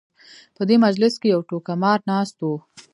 په دې مجلس کې یو ټوکه مار ناست و.